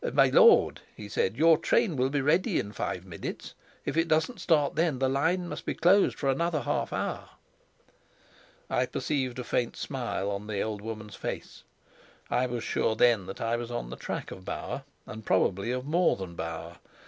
"My lord," he said, "your train will be ready in five minutes; if it doesn't start then, the line must be closed for another half hour." I perceived a faint smile on the old woman's face. I was sure then that I was on the track of Bauer, and probably of more than Bauer.